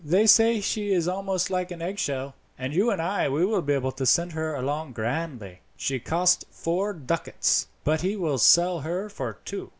They say she is almost like an eggshell, and you and I will be able to send her along grandly. She cost four ducats, but he will sell her for two."